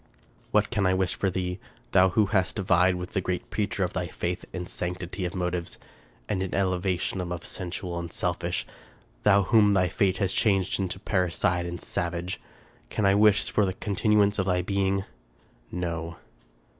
" What can I wish for thee ? Thou who hast vied with the great Preacher of thy faith in sanctity of motives, and in elevation above sensual and selfish ! Thou whom thy fate has changed into parricide and savage! Can I wish for the continuance of thy being? No."